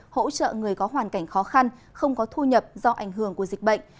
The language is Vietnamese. hỗ trợ người có hoàn cảnh khó khăn không có thu nhập do ảnh hưởng của dịch bệnh